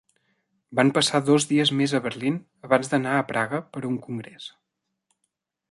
Van passar dos dies més a Berlín abans d'anar a Praga per a un congrés.